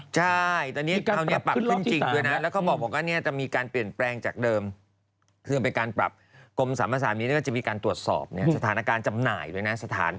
ใช่ตอนนี้เขาปรับขึ้นจริงแล้วเขาบอกว่าจะมีการเปลี่ยนแปลงจากเดิมเพื่อเป็นการปรับกลมสามสามิทก็จะมีการตรวจสอบสถานการณ์จำหน่ายด้วยนะ